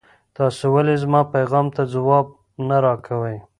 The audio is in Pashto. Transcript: تاسو ولې زما پیغام ته ځواب نه راکوئ؟